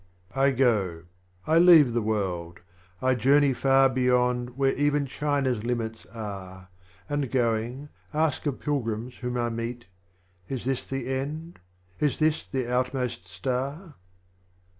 54. I go â€" I leave the AYorld â€" I journey far Bevond where even China's limits are, And going, ask of Pilgrims whom I meet, " Is this the End ? Is this the Outmost Star